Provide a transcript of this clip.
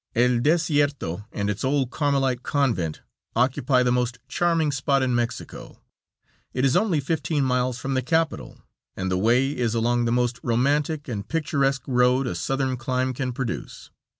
El Desierto and its old Carmelite convent occupy the most charming spot in Mexico. It is only fifteen miles from the capital, and the way is along the most romantic and picturesque road a Southern clime can produce.